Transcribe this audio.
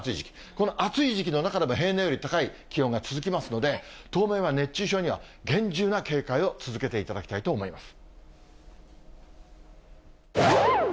この暑い時期の中でも平年より高い気温が続きますので、当面は熱中症には厳重な警戒を続けていただきたいと思います。